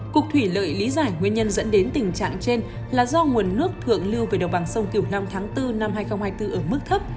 cục thủy lợi lý giải nguyên nhân dẫn đến tình trạng trên là do nguồn nước thượng lưu về đồng bằng sông kiều long tháng bốn năm hai nghìn hai mươi bốn ở mức thấp